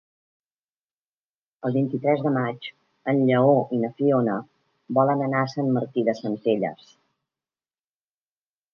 El vint-i-tres de maig en Lleó i na Fiona volen anar a Sant Martí de Centelles.